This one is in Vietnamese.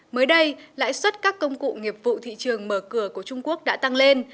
mới đây lãi suất các công cụ nghiệp vụ thị trường mở cửa của trung quốc đã tăng lên